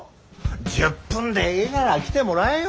１０分でいいがら来てもらえよ。